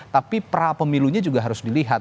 tapi pra pemilunya juga harus dilihat